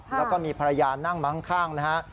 แล้วก็มีภรรยานั่งมั้งข้างนะฮะ